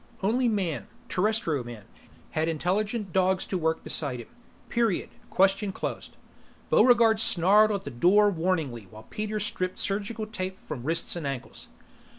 Only man Terrestrial Man had intelligent dogs to work beside him. Period, question closed. Buregarde snarled at the door warningly while Peter stripped surgical tape from wrists and ankles.